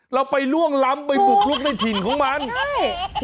เราไปล่วงล้ำไปบุกลุกในถิ่นของมันใช่